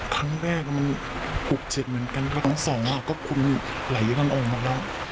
ครั้งแรกมัน๖๗เหมือนกันก็๑๒อ่ะก็คนไหลกันออกมาแล้ว